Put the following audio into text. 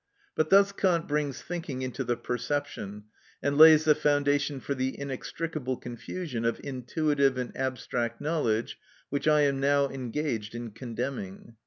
But thus Kant brings thinking into the perception, and lays the foundation for the inextricable confusion of intuitive and abstract knowledge which I am now engaged in condemning.